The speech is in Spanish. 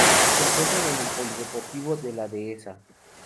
Se encuentran en el Polideportivo de la Dehesa.